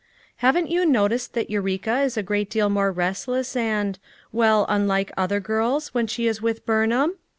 Haven't you noticed that Eureka is a great deal more restless and— well, unlike other girls when she is with Burnham?